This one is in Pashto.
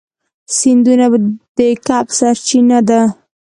سیندونه د کب سرچینه ده.